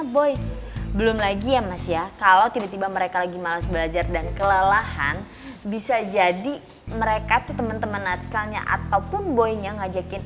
bisa jadi mereka tuh temen temen natchkalnya ataupun boynya ngajakin